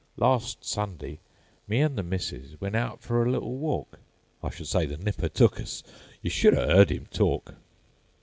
Larst Sunday me an' the missusWent out fer a little walk—I should say the nipper took us, Yer should o' 'eard 'im tork!